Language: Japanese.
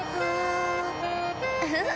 ウフフ。